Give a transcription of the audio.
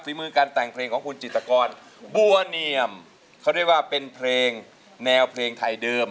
มือการแต่งเพลงของคุณจิตกรบัวเนียมเขาเรียกว่าเป็นเพลงแนวเพลงไทยเดิม